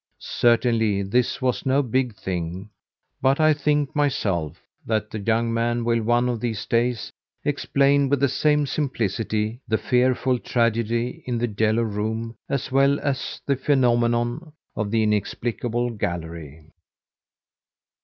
Certainly this was no big thing; but I think, myself, that the young man will, one of these days, explain with the same simplicity, the fearful tragedy in "The Yellow Room" as well as the phenomenon of the inexplicable gallery.